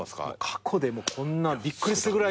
過去でこんなびっくりするぐらい。